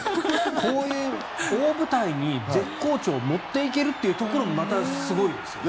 こういう大舞台に絶好調を持っていけるというところもまたすごいですよね。